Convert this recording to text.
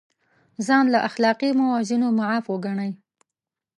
ځان له اخلاقي موازینو معاف وګڼي.